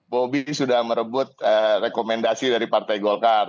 bobi sudah merebut rekomendasi dari partai golkar